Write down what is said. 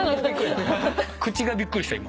口がびっくりした今。